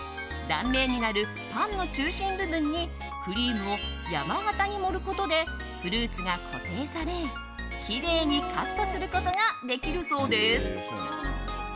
断面になるパンの中心部分にクリームを山型に盛ることでフルーツが固定されきれいにカットすることができるそうです。